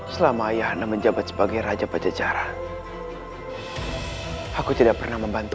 selama ayah anda menjabat sebagai raja pejajaran aku tidak pernah membantu